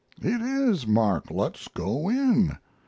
"It is, Mark. Let's go in."